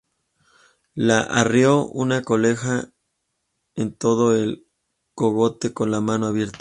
Le arreó una colleja en todo el cogote con la mano abierta